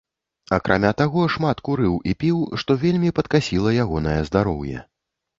Акрамя таго, шмат курыў і піў, што вельмі падкасіла ягонае здароўе.